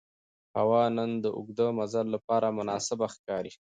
هوا نن د اوږده مزل لپاره مناسبه ښکاري